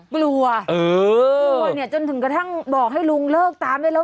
กลัวกลัวเนี่ยจนถึงกระทั่งบอกให้ลุงเลิกตามได้แล้ว